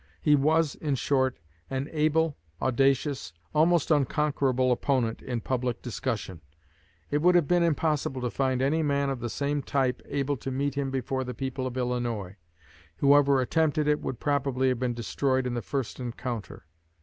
He was, in short, an able, audacious, almost unconquerable opponent in public discussion. It would have been impossible to find any man of the same type able to meet him before the people of Illinois. Whoever attempted it would probably have been destroyed in the first encounter.